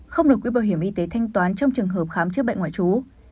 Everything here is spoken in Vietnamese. không được quỹ bảo hiểm y tế thanh toán trong trường hợp khám chữa bệnh ngoại trú